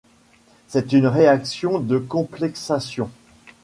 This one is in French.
C'est une réaction de complexation.